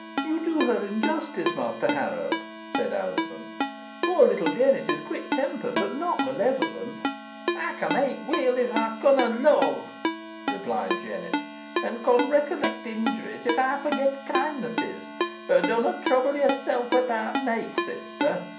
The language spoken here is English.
"You do her injustice, Master Harrop," said Alizon. "Poor little Jennet is quick tempered, but not malevolent." "Ey con hate weel if ey conna love," replied Jennet, "an con recollect injuries if ey forget kindnesses. Boh dunna trouble yourself about me, sister.